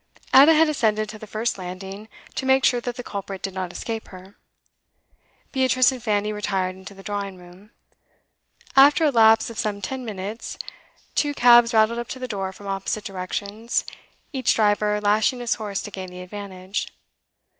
Ada had ascended to the first landing, to make sure that the culprit did not escape her. Beatrice and Fanny retired into the drawing room. After a lapse of some ten minutes two cabs rattled up to the door from opposite directions, each driver lashing his horse to gain the advantage.